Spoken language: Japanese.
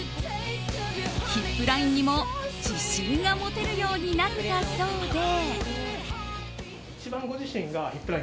ヒップラインにも自信が持てるようになったそうで。